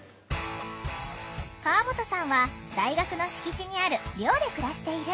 川本さんは大学の敷地にある寮で暮らしている。